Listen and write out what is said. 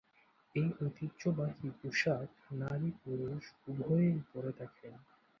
এই ঐতিহ্যবাহী পোশাক নারী-পুরুষ উভয়েই পড়ে থাকেন।